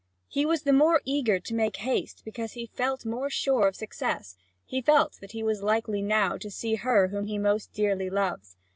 He was the more eager to make haste, because he felt more sure of success; he felt that he was lucky now to see her whom he most dearly loves.